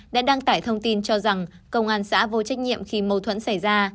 đã đăng tải thông tin cho rằng công an xã vô trách nhiệm khi mâu thuẫn xảy ra